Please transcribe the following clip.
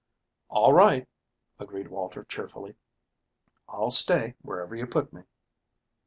"All right," agreed Walter cheerfully. "I'll stay wherever you put me."